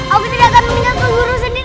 aku tidak akan meminatkan guru sendirian